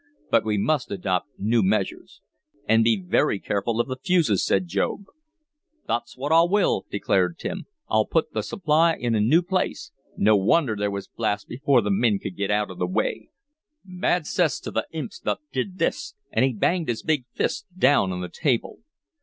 "But we must adopt new measures." "And be very careful of the fuses," said Job. "Thot's what I will!" declared Tim. "I'll put th' supply in a new place. No wonder there was blasts before th' min could git out th' way! Bad cess t' th' imps thot did this!" and he banged his big fist down on the table.